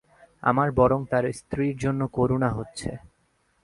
আমার বরং তার স্ত্রীর জন্য করুণা হচ্ছে।